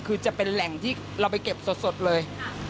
คือจะเป็นแหล่งที่เราไปเก็บสดเลย